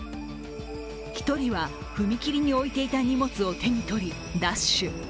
１人は、踏切に置いていた荷物を手に取り、ダッシュ。